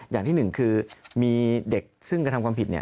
อย่างที่หนึ่งคือมีเด็กซึ่งกระทำความผิด